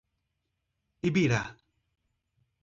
Ibirá